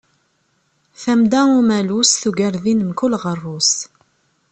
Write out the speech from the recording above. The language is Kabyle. Tamda umalus yugar din mkul ɣerrus.